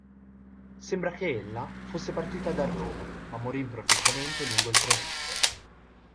Sembra che ella fosse partita da Roma, ma morì improvvisamente lungo il tragitto.